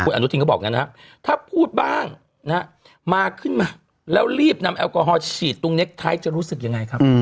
อนุทินก็บอกอย่างนั้นนะครับถ้าพูดบ้างนะฮะมาขึ้นมาแล้วรีบนำแอลกอฮอลฉีดตรงเน็กไทยจะรู้สึกยังไงครับ